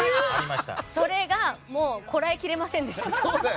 それが、もうこらえきれませんでした。